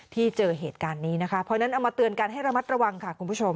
ที่เจอเหตุการณ์นี้นะคะ